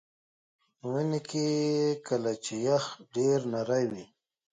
په مني کې کله چې یخ ډیر نری وي